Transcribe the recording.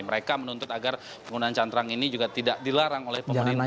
mereka menuntut agar penggunaan cantrang ini juga tidak dilarang oleh pemerintah